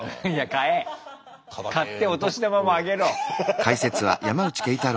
買ってお年玉もあげろ。